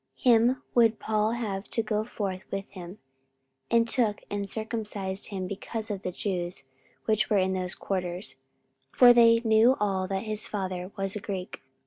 44:016:003 Him would Paul have to go forth with him; and took and circumcised him because of the Jews which were in those quarters: for they knew all that his father was a Greek.